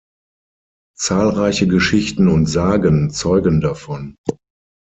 Zahlreiche Geschichten und Sagen zeugen davon.